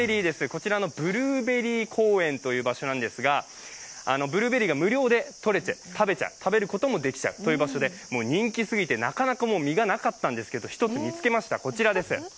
こちらのブルーベリー公園という場所なんですが、ブルーベリーが無料でとれて、食べることもできちゃうと、人気すぎてなかなか実がなかったんですけど、１つ見つけました、こちらです。